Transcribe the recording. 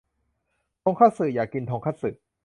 ทงคัตสึ อยากกินทงคัตสึ